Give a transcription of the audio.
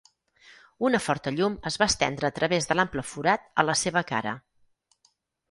Una forta llum es va estendre a través de l'ample forat a la seva cara.